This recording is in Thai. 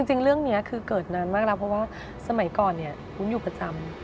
จริงเรื่องนี้คือเกิดนานมากแล้วเพราะว่าสมัยก่อนเนี่ยวุ้นอยู่ประจำ